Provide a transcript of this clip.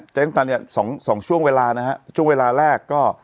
น้ำตาลเนี่ยสองช่วงเวลานะฮะช่วงเวลาแรกก็